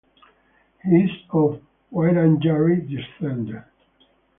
He is of Wiradjuri descent.